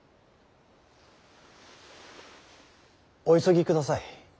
お急ぎください。